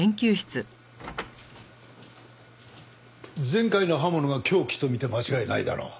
前回の刃物が凶器とみて間違いないだろう。